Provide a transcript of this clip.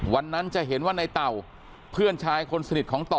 วันนั้นจะเห็นว่าในเต่าเพื่อนชายคนสนิทของต่อ